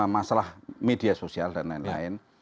masalah media sosial dan lain lain